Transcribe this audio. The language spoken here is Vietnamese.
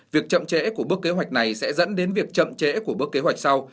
việc chậm trễ của bước kế hoạch này sẽ dẫn đến việc chậm trễ của bước kế hoạch sau